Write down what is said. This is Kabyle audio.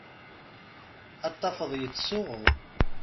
Ad tafeḍ yettsuɣu.